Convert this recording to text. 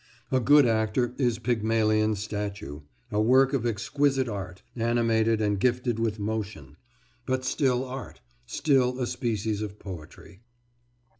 A good actor is Pygmalion's statue, a work of exquisite art, animated and gifted with motion; but still art, still a species of poetry."